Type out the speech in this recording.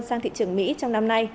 sang thị trường mỹ trong năm nay